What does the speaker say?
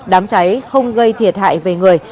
đám cháy không gây thiệt hại về người